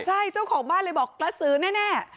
ใช่เจ้าของบ้านเลยบอกกระสือแน่